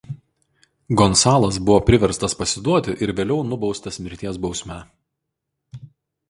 Gonsalas buvo priverstas pasiduoti ir vėliau nubaustas mirties bausme.